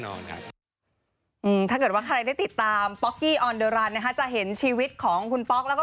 ถ้าเกิดว่าใครได้ติดตามป๊อกกี้ออนเดอรันนะคะจะเห็นชีวิตของคุณป๊อกแล้วก็